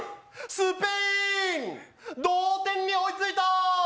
スペイン、同点に追いついた！